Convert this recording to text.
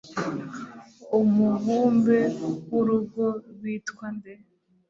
Umubumbe w'urugo rwitwa nde?